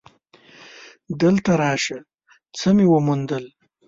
دلته راشه څه مې وموندل.